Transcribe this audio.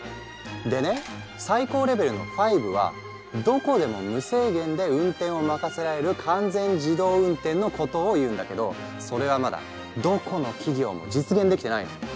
でね最高レベルの５はどこでも無制限で運転を任せられる完全自動運転のことを言うんだけどそれはまだどこの企業も実現できてないの。